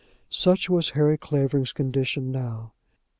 Such was Harry Clavering's condition now.